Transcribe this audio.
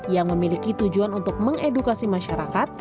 yang memiliki tujuan untuk mengedukasi masyarakat